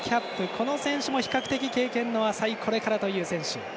この選手も比較的経験の浅い、これからという選手。